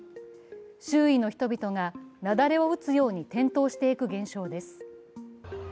周囲の人々が雪崩を打つように転倒していく現象です。